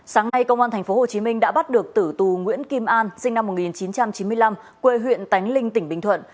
sáng nay công an tp hcm đã bắt được tử tù nguyễn kim an sinh năm một nghìn chín trăm chín mươi năm quê huyện tánh linh tỉnh bình thuận